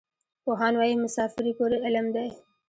پوهان وايي مسافري پوره علم دی.